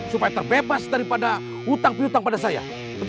supaya terbebas dari pada utang piutang pada saya